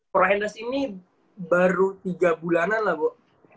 prohandles ini baru tiga bulanan lah bok